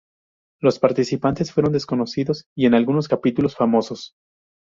Los participantes fueron desconocidos y en algunos capítulos famosos.